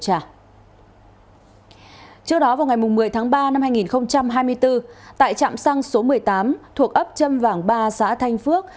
trước đó vào ngày một mươi tháng ba năm hai nghìn hai mươi bốn tại trạm xăng số một mươi tám thuộc ấp trâm vàng ba xã thanh phước